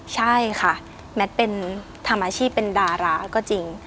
ใช่ค่ะแมทเป็นทำอาชีพเป็นดาราก็จริง